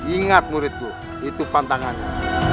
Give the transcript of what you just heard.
ingat muridku itu pantangannya